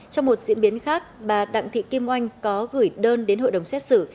trong một diễn biến khác bà đặng thị kim oanh có gửi đơn đến hội đồng xét xử